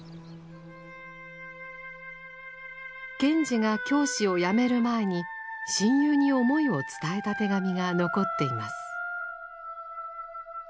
賢治が教師をやめる前に親友に思いを伝えた手紙が残っています。